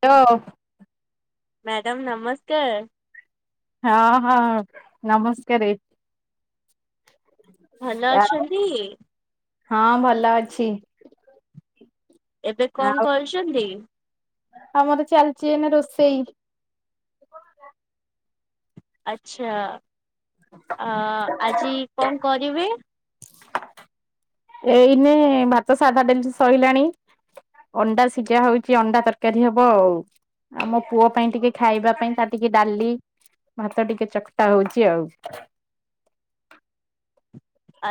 ତ ମ୍ୟାଡ଼ାମ ନମସ୍କାର। ହଁ ହଁ ନମସ୍କାରେ। ଭଲ ଅଛନ୍ତି? ହଁ ଭଲ ଅଛି। ଏବେ କଣ ଆଉ କରୁଛନ୍ତି? ଆମର ଚାଲିଚି ଏନା ରୋଷେଇ। ଆଚଛା ଅ ଆଜି କଣ କରିବେ? ଏଇନେ ଭାତ ସାଧା ଡାଲି ସଇଲାଣି। ଅଣ୍ଡା ସିଝା ହଉଚୀ ଅଣ୍ଡା ତରକାରୀ ହବ ଆଉ। ଆମ ପୁଅ ପାଇଁ ଟିକେ ଖାଇବା ପାଇଁ ତା ଟିକେ ଡାଲି ଭାତ ଟିକେ ଚକଟା ହଉଚି ଆଉ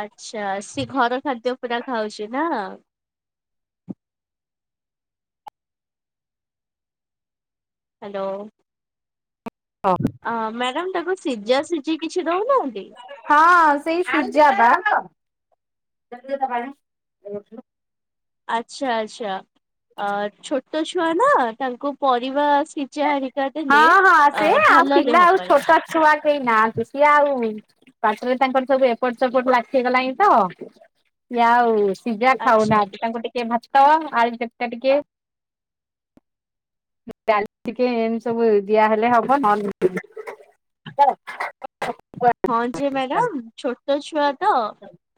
ଆଛା ସିଏ ଘର ଖାଦ୍ୟ ପୁରା ଖାଉଛି ନା। ହ୍ୟାଲୋ ଅ ମ୍ୟାଡାମ ତାକୁ ସିଝା ସିଝି କିଛି ଦଉନାହାନ୍ତି? ହଁ ସେଇ ସୁଜା ବା। [inaudible] ଆଛା ଆଚ୍ଛା। ଅ ଛୋଟ ଛୁଆ ନା ତାଙ୍କୁ ପରିବା ସିଝା ହେରିକା ଦେଲେ ହଁ ହଁ ଅ ଭଲ ଦେହ ପାଇଁ। ସେଇ ନାହାତି। ସିଏ ଆଉ ପାଟିରେ ତାଙ୍କର ସବୁ ଏପଟ ଚପଟ ଲାଖି ଗଲାଣି ତ ସିଏ ଆଉ ସିଜା ଆଚ୍ଛା ଖାଉନା ତାଙ୍କୁ ଟିକେ ଟିକେ ଭାତ, ଆଳୁ ଚକାଟା ଟିକେ ଆଳୁ ଟିକେ ଏମିତି ସବୁ ଦିଆ ହେଲେ ହବ ନହେଲେ ନାହିଁ। ହଁ ଯେ ମ୍ୟାଡାମ ଛୋଟ ଛୁଆ ତ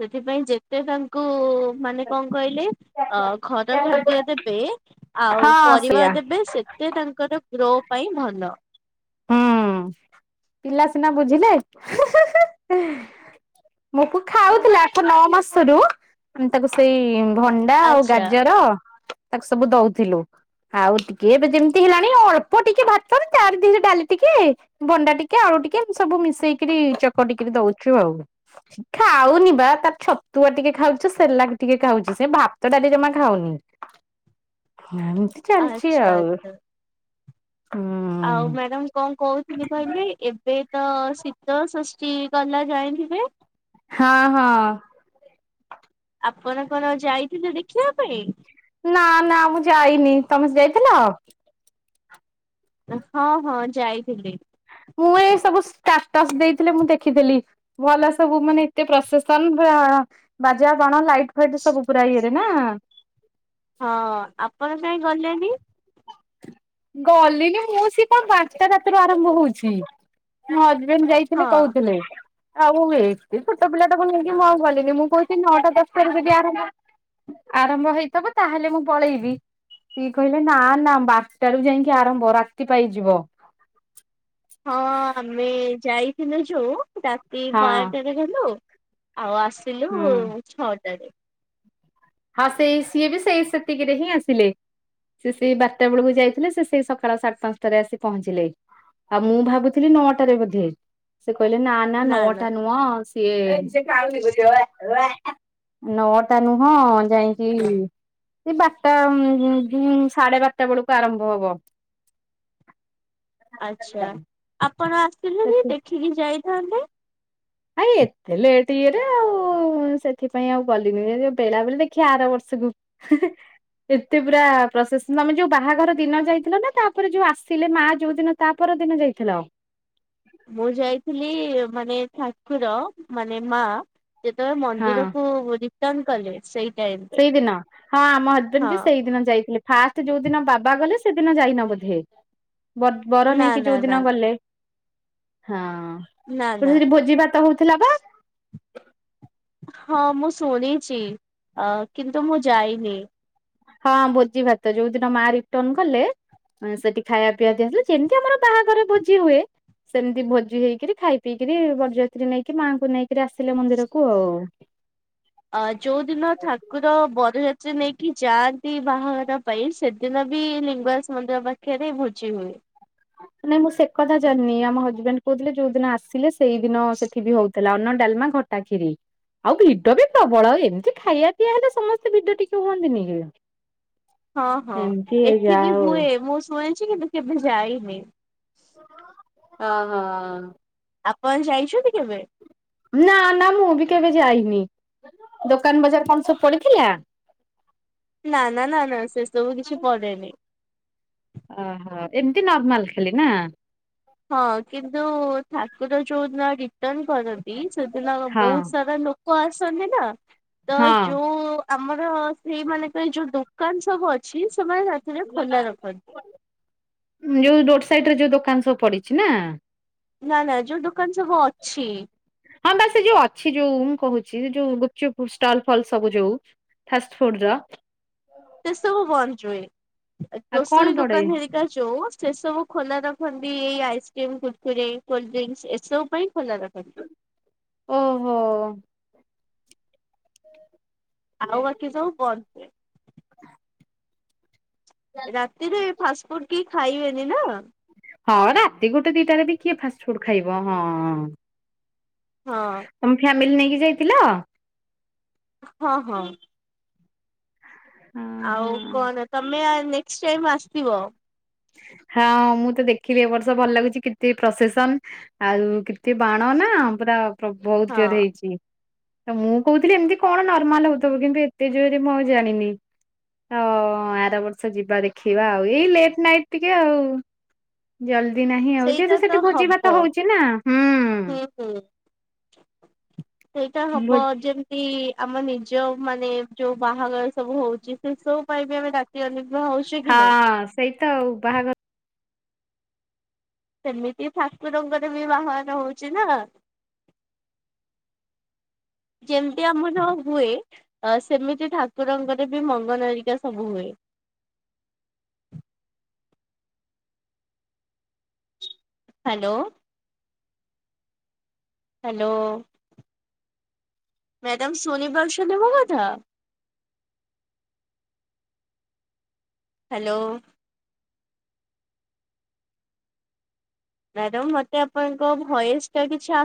ସେଥିପାଇଁ ଯେ ସେ ତାଙ୍କୁ-ଉ-ଉ-ଉ ମାନେ କଣ କହିଲେ ଅ ଘର ଖାଦ୍ୟ ଦେବେ ଆଉ ହଁ ପରିବା ସେଇଆ ଦେବେ ସେତେ ତାଙ୍କର ରୋ ପାଇଁ ଭଲ। ହୁଁ ପିଲା ସିନା ବୁଝିଲେ ମୋ ପୁଅ ଖାଉଥିଲା ଆଠ ନଅ ମାସରୁ ଆମେ ତାକୁ ସେଇ ଭଣ୍ଡା ଆଉ ଆଚ୍ଛା ଗାଜର ତାକୁ ସବୁ ଦଉଥିଲୁ ଆଉ ଟିକେ ଏବେ ଯେମିତି ହେଲାଣି ଅଳ୍ପ ଟିକେ ଭାତରେ ଚାରି ଦିନ ଡାଲି ଟିକେ ଭଣ୍ଡା ଟିକେ ଆଳୁ ଟିକେ ସବୁ ମିଶେଇକରି ଚକଟିକିରି ଦଉଚୁ ଆଉ ଖାଉନି ବା ତାର ଛତୁଆ ଟିକେ ଖାଉଛି ସେଲାକ୍ ଟିକେ ଖାଉଛି ସେ ଭାତ ଡାଲି ଜମା ଖାଉନି। ଏମତି ଚାଲିଚି ଆଚ୍ଛା ଆଉ। ଆଚ୍ଛା ହୁଁ। ଆଉ ଡ଼ାମ୍ କଣ କହୁଥିଲି କହିଲି ଏବେ ତ ଶୀତଳ ଷଷ୍ଠୀ ଗଲା ଯାଇଁଥିବେ? ହଁ ହଁ। ଆପଣ କଣ ଯାଇଥିଲେ ଦେଖିବା ପାଇଁ? ନା ନା ମୁଁ ଯାଇନି ତମେ ସେ ଯାଇଥିଲ? ହଁ ହଁ ଯାଇଥିଲି। ମୁଁ ଏ ସବୁ ଷ୍ଟାଟସ ଦେଇଥିଲେ ମୁଁ ଦେଖିଥିଲି ଭଲ ସବୁ ମାନେ ଏତେ ପ୍ରସେସନ ବାଜାବାଣ ଲାଇଟ୍ ଫାଇଟ୍ ସବୁୁପରା ଇଏ ନା ହଁ ଆପଣ କାହିଁ ଗଲେନି? ଗଲିନି ମୁଁ ସିଏ କଣ ବାରଟା ରାତିରୁ ଆରମ୍ଭ ହଉଛି। ମ୍ୟାମ୍ ହଁ ଯାଇଥିଲେ କହୁଥିଲେ। ଆଉ ମୁଁ ଏତେ ଛୋଟ ପିଲାଟାକୁ ନେଇକି ମୁ ଆଉ ଗଲିନି ମୁଁ କହୁଛି ନଅଟା ଦଶ ରୁ ଯଦି ଆରମ୍ଭ ଆରମ୍ଭ ହେଇଥିବ ତାହେଲେ ମୁଁ ପଳେଇବି ସିଏ କହିଲେ ନା ନା ବାରଟାରୁୁ ଯାଇକି ଆରମ୍ଭ ରାତି ପାଇ ଯିବ ହଁ ଆମେ ଯାଇଥିଲୁ ଯୋଉ ରାତି ହଁ ବାରଟାରେ ଗଲୁ। ଆଉ ଆସ ହୁଁ। ସିଲୁ ଛଅଟାରେ। ହଁ ସେଇ ସିଏ ବି ସେଇ ସେତିକିରେ ହିଁ ଆସିଲେ ସେ ସେଇ ବାରଟା ବେଳକୁ ଯାଇଥିଲେ ସେ ସେଇ ସକାଳ ସାଢ଼େ ପାଞ୍ଚଟାରେ ଆସି ପହଞ୍ଚିଲେ ଆଉ ମୁଁ ଭାବୁଥିଲି ନଅଟାରେ ବୋଧେ। ସେ କହିଲେ ନା ନା ନଅଟା ନୁଅଁ ସିଏ [unintelligible] ନଅଟା ନୁହଁ ଯାଇଁକି ବାରଟା ସାଢେ ବାରଟା ବେଳକୁ ଆରମ୍ଭ ହବ। ଆଚ୍ଛା ଆ ପଣ ଆସିଲେନି ଦେଖିକି ଯାଇ ଥାନ୍ତେ। ଆାଇ ଏତେ ଲେଟ୍ ଇଏରେ ଆଉ ସେଥିପାଇଁ ଆଉ ଗଲିନି [unintelligible] ବେଳବେଳୀ ଦେଖିଆ ଆର ବର୍ଷକୁ ଏତେ ପୁରା ପ୍ରସନ ତମେ ଯୋଉ ବାହାଘର ଦିନ ଯାଇଥିଲ ନା ତାପରେ ଯୋଉ ଆସିଲେ ମା ଯୋଉ ଦିନ ତା ପରଦିନ ଯାଇଥିଲ । ମୁଁ ଯାଇଥିଲି। ମାନେ ଠାକୁର ମାନେ ମା। ଯେତେବେଳେ ହଁ ମନ୍ଦିରକୁ ବୁ ରିଟର୍ନ କଲେ ସେଇ ଟାଇମ ରେ ସେଇଦିନ, ହଁ ଆମ ହଜବେଣ୍ଡ ହଁ ବି ସେଇ ଦିନ ଯାଇଥିଲେ। ଫାଷ୍ଟ ଯୋଉ ଦିନ ବାବା ଗଲେ ସେଦିନ ଯାଇନ ବୋଧେ? ବର ବର ନା ନେଇକି ନା ଯୋଉ ନା ଦିନ ନା ଗଲେ ହଁ। ନା ଗୋଟେ ନା ସେଠି ଭୋଜି ଭାତ ହଉଥିଲା ବା। ହଁ ମୁଁ ଶୁଣିଛି। ଅ କିନ୍ତୁ ମୁଁ ଯାଇନି। ହଁ ଭୋଜି ଭାତ ଯୋଉ ଦିନ ମା ରିଟର୍ନ କଲେ ସେଠି ଖାଇବା ପିଇବା ଦିଆ ହେଇଥିଲା। ଯେମିତି ଆମର ବାହାଘର ଭୋଜି ହୁଏ ସେମତି ଭୋଜି ହେଇକିରି ଖାଇ ପିଇକିରି ବରଯାତ୍ରୀ ନେଇକି ମାଙ୍କୁ ନେଇକିରି ଆସିଲେ ମନ୍ଦିରକୁ ଆଉ। ଅ ଯୋଉଦିନ ଠାକୁର ବରଯା ନେଇକି ଯାଆନ୍ତି ବାହାଘର ପାଇଁ ସେଦିନ ବି ଲିଙ୍ଗରାଜ ମନ୍ଦିର ପାଖରେ ଭୋଜି ହୁଏ। ନାଇଁ ମୁଁ ସେ କଥା ଜାଣିନି, ଆମ ହଜବେଣ୍ଡ କହୁଥିଲେ ଯୋଉ ଦିନ ଆସିଲେ ସେଇଦିନ ସେଠି ବି ହଉ ତାଲେ ଅନ୍ନ, ଡାଲମା, ଖଟା, ଖିରି ଆଉ ଭିଡ ବି ପ୍ରବଳ। ଏମିତି ଖାଇବା ପିଇବା ହେଲେ ସମସ୍ତେ ଭିଡ ଟିକେ ହୁଅନ୍ତିନି କି? ହଁ ହଁ ଏମିତି ଏଠି ଯାହା ବି ହଉ। ହୁଏ ମୁଁ ଶୁଣେ ଅଛି କିନ୍ତୁ କେବେ ଯାାଇନି। ଓହୋ ଆପଣ ଯାଇଛନ୍ତି କେବେ? ନା ନା ମୁଁ ବି କେବେ ଯାଇ ନି ଦୋକାନ ବଜାର କଣ ସବୁ ପଡିଥିଲା? ନା ନା ନା ନା ସେ ସବୁ କିଛି ପଡେନି। ଓହୋ ଏମିତି ନର୍ମାଲ ଖାଲି ନା? ହଁ କିନ୍ତୁ ଠାକୁର ଯୋଉ ନଡି ରିଟର୍ନ୍ କରନ୍ତି ସେଦିନ ହଁ ବହୁତ ସାରା ଲୋକ କୁ ଆସନ୍ତି ନା ତ ହଁ। ଯୋଉ ଆମର ସେଇ ମାନଙ୍କ ପାଇଁ ଯୋଉ ଦୋକାନ ସବୁ ଅଛି ସେମାନେ ରାତିରେ ଖୋଲା ରଖନ୍ତି। ସାଇଡ୍ ରେ ଯୋଉ ଦୋକାନ ସବୁ ପଡିଛି ନା ନା ନା ଯୋଉ ଦୋକାନ ସବୁ ଅଛି। ହଁ ବା ସେଯୋଉ ଅଛି ଯୋଉ ମୁଁ କହୁଛି, ଯୋଉ ଗୁପଚୁପ ଷ୍ଟଲ ଫଲ୍ ସବୁ ଯୋଉ ଫାଷ୍ଟଫୁଡ ର ସେ ସବୁ [unintelligible] ଆଉ ଗ୍ରୋସରୀ କଣ ପଡେ ଦୋକାନ ହେରିକା ଯୋଉ, ସେ ସବୁ ଖୋଲା ର ରଖିଛନ୍ତି ଏଇ ଆଇସ୍କ୍ରିମ୍, କୁୁରକୁରେ, କୋଲ୍ଡ୍ରିଙ୍କସ୍ ଏସବୁ ପାଇଁ ଖୋଲା ରଖନ୍ତି। ଓହୋ ଆଉ ବାକି ସବୁ ବନ୍ଦ। [unintelligible] ରାତିରେ ଫାଷ୍ଟଫୁଡ କି ଖାଇବେନି ନା। ହଁ ରାତି ଗୋଟେ ଦିଟାରେ ବି କିଏ ଫାଷ୍ଟଫୁଡ ଖାଇବ ହଁ। ହଁ। ମିଲ ନେଇକି ଯାଇଥିଲ? ହଁ ହଁ। ଆଉ କଣ ତମେ ଆ ନେକ୍ସଟ ଟାଇମ ଆସିଥିବ। ହଁ ମୁଁ ତ ଦେଖିଲି ଏ ବର୍ଷ ଭଲ ଲାଗୁଛି। କେତେ ପ୍ରସେସନ, ଆଉ କେତେ ବାଣ ନା ପୁରା ପ୍ରବଳ ହଁ ଜୋର ହେଇଛି। ତ ମୁଁ କହୁଥିଲି ଏମିତି କଣ ନର୍ମାଲ ହଉଥିବ, କିନ୍ତୁ ଏତେ ଜୋରେ ମୁଁ ଆଉ ଜାଣିନି। ତ-ଅ-ଅ-ଅ ଆର ବର୍ଷ ଯିବା ଦେଖିବା ଆଉ ଏଇ ଲେଟ୍ ନାଇଟ୍ ଟିକେ ଆଉ ଜଲଦି ଯିବି ନାହିଁ ଆଉ ଜେହେତୁ ସେଇଟା ତ ସେଠି ଭୋଜି ଭାତ ହବ ହଉଛି ନା ହୁଁ। ହୁଁ ହୁଁ ସେଇଟା ଭୋ ହବ ଯେମତି-ଇ-ଇ ଆମ ନିଜ ମାନେ ଯୋଉ ବାହାଘର ସବୁ ହଉଛି ସେ ସବୁ ପାଇଁ ବି ଆମେ ରାତି ଅ ହଁ ସେଇତ ବାହାଘର ସେମିତି ଠାକୁରଙ୍କର ବି ବାହାଘର ହଉଛି ନା। ଯେମିତି ଆମର ହୁଏ ସେମିତି ଠାକୁରଙ୍କର ବି ମଙ୍ଗନ ହେରିକା ସବୁ ହୁଏ। ହାଲୋ ହାଲୋ ମ୍ୟାଡ଼ମ ସୁନି ପାରୁଛନ୍ତି ମୋ କଥା? ହାଲୋ ମ୍ୟାଡମ ମତେ ଆପଣଙ୍କ ଭଏସ ଟା କିଛି ଆସ